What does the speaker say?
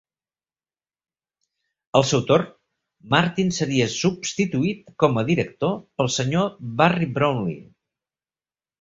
Al seu torn, Martin seria substituït com a director pel Sr. Barry Brownlee.